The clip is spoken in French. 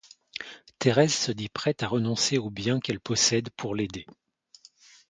Thérèse se dit prête à renoncer aux biens qu'elle possède pour l'aider.